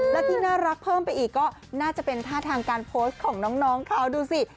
และที่น่ารักเพิ่มไปอีกก็น่าจะเป็นท่าทางการโพสต์ของน้องเขาดูสิ